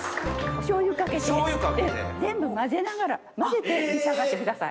おしょうゆかけて全部混ぜながら混ぜて召し上がってください。